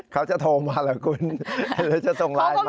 เขาจะโทรมาเหรอคุณหรือจะส่งไลน์มา